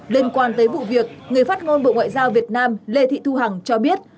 liên quan tới vụ việc người phát ngôn bộ ngoại giao việt nam lê thị thu hằng cho biết